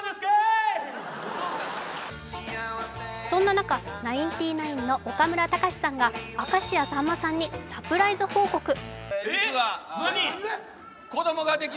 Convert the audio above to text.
そんな中、ナインティナインの岡村隆史さんが明石家さんまさんにサプライズ報告。